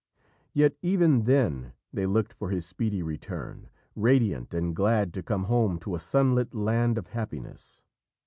Yet even then they looked for his speedy return, radiant and glad to come home to a sunlit land of happiness.